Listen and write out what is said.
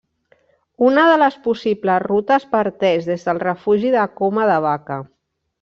Una de les possibles rutes parteix des del Refugi de Coma de Vaca.